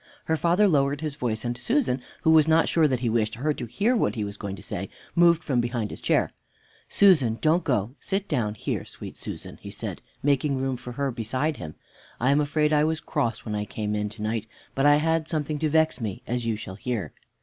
Her father lowered his voice, and Susan, who was not sure that he wished her to hear what he was going to say, moved from behind his chair. "Susan, don't go; sit down here, sweet Susan," he said, making room for her beside him. "I am afraid I was cross when I came in to night, but I had something to vex me, as you shall hear."